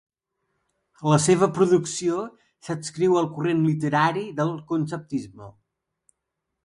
La seva producció s'adscriu al corrent literari del conceptisme.